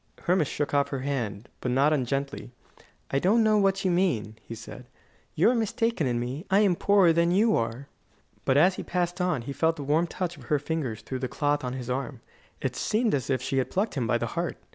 Hermas shook off her hand, but not ungently. "I don't know what you mean," he said. "You are mistaken in me. I am poorer than you are." But as he passed on, he felt the warm touch of her fingers through the cloth on his arm. It seemed as if she had plucked him by the heart.